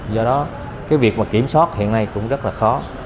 do đó cái việc mà kiểm soát hiện nay cũng rất là khó